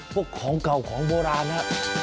พวกของเก่าของโบราณนะ